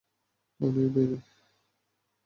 পনির, baby.